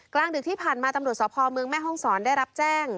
กลางดึกที่ผ่านมาตำรวจสพเมืองแม่ห้องศรได้รับแจ้ง